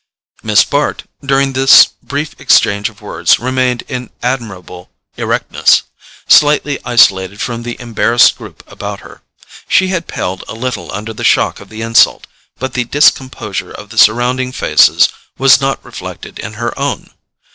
Miss Bart, during this brief exchange of words, remained in admirable erectness, slightly isolated from the embarrassed group about her. She had paled a little under the shock of the insult, but the discomposure of the surrounding faces was not reflected in her own.